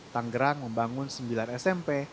tanggerang membangun sembilan smp